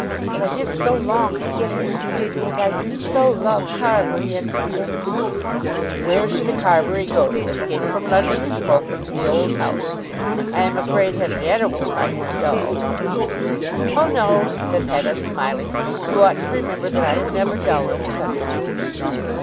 But I did so long to get into the country, and I do so love Carbury. And and " "Where should a Carbury go to escape from London smoke, but to the old house? I am afraid Henrietta will find it dull." "Oh no," said Hetta smiling. "You ought to remember that I am never dull in the country."